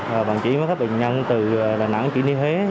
và bằng chỉ mấy các bệnh nhân từ đà nẵng chỉ như thế